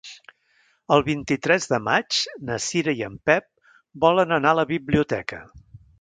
El vint-i-tres de maig na Cira i en Pep volen anar a la biblioteca.